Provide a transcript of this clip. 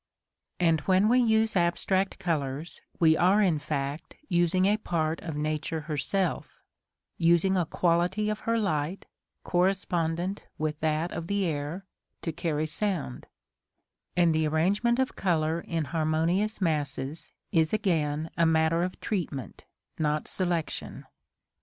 And when we use abstract colors, we are in fact using a part of nature herself, using a quality of her light, correspondent with that of the air, to carry sound; and the arrangement of color in harmonious masses is again a matter of treatment, not selection.